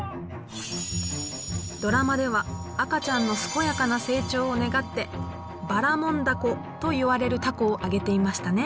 ドラマでは赤ちゃんの健やかな成長を願ってばらもん凧といわれる凧をあげていましたね。